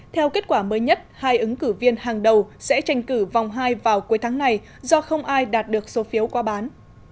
theo kết quả mới nhất hai ứng cử viên hàng đầu sẽ tranh cử vòng hai vào cuối tháng này do không ai đạt được số phiếu qua bán